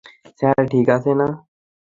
Sir, ঠিক আছে না?